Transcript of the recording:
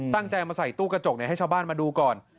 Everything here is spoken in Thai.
ตั้งใจมาใส่ตู้กระจกให้ชาวบ้านมาดูก่อน